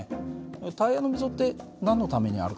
タイヤの溝って何のためにあるか知ってる？